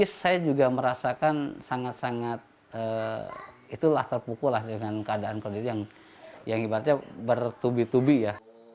saya juga merasakan sangat sangat itulah terpukul lah dengan keadaan kondisi yang ibaratnya bertubi tubi ya